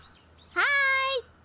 はい。